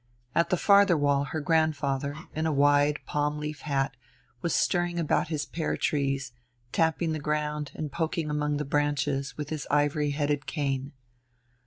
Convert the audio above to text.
At the farther wall her grandfather, in a wide palm leaf hat, was stirring about his pear trees, tapping the ground and poking among the branches with his ivory headed cane.